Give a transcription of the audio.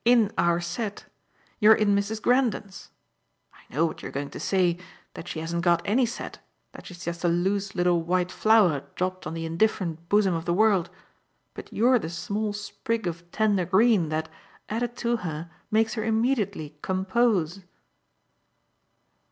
IN our set. You're in Mrs. Grendon's. I know what you're going to say that she hasn't got any set, that she's just a loose little white flower dropped on the indifferent bosom of the world. But you're the small sprig of tender green that, added to her, makes her immediately 'compose.